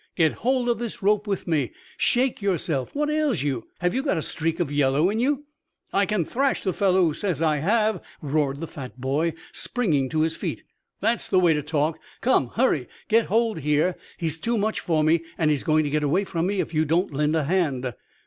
"Get hold of this rope with me. Shake yourself. What ails you? Have you got a streak of yellow in you?" "I can thrash the fellow who says I have?" roared the fat boy, springing to his feet. "That's the way to talk. Come, hurry get hold here! He's too much for me and he's going to get away from me if you don't lend a hand."